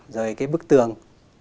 rồi cái bức tường